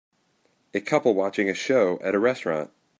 A couple watching a show at a restaurant.